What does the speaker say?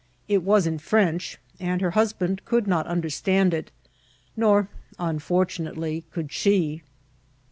'' It was in French, and her husband could not understand it, nor, unfortunately, could she.